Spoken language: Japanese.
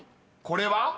これは？］